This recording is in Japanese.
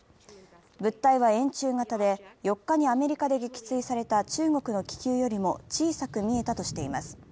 物体は円柱形で、４日にアメリカで撃墜された中国の気球よりも小さく見えた閉じています。